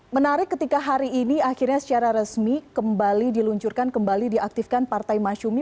menarik ketika hari ini akhirnya secara resmi kembali diluncurkan kembali diaktifkan partai masyumi